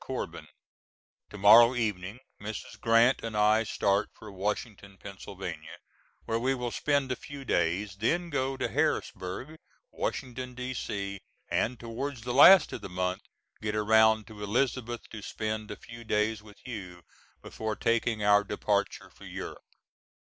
CORBIN: To morrow evening Mrs. Grant and I start for Washington, Pa., where we will spend a few days, then go to Harrisburgh, Washington, D.C., and toward the last of the month get around to Elizabeth to spend a few days with you before taking our departure for Europe.